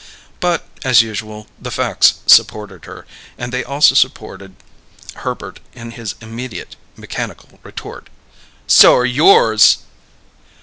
But, as usual, the facts supported her; and they also supported Herbert in his immediate mechanical retort: "So're yours!"